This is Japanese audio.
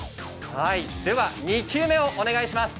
では２球目をお願いします。